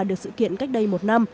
được sự kiện cách đây một năm